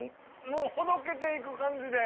もうほどけて行く感じで。